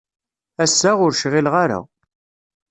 Ass-a, ur cɣileɣ ara.